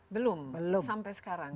belum sampai sekarang